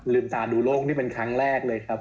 ตาดูโลกนี่เป็นครั้งแรกเลยครับ